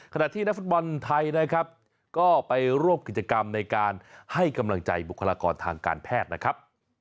ที่นักฟุตบอลไทยนะครับก็ไปร่วมกิจกรรมในการให้กำลังใจบุคลากรทางการแพทย์นะครับ